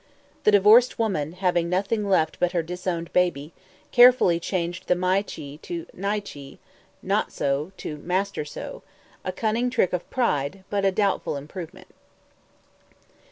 The divorced woman, having nothing left but her disowned baby, carefully changed the My Chi to Ny Chi ("Not So" to "Master So "), a cunning trick of pride, but a doubtful improvement.